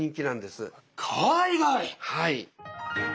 はい。